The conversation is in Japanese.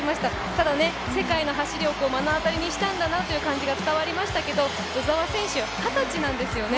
ただ、世界の走りを目の当たりにしたんだなという感じが伝わりましたけど鵜澤選手、二十歳なんですよね。